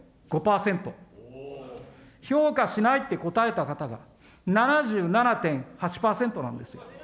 評価しないって答えた方が７７．８％なんですよ。